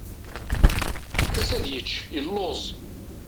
Efk-as ad yečč, yeluẓ.